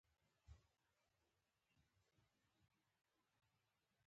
بې تجربې ميډيا که لږ خپل ګرېوان ته سر ټيټ کړي.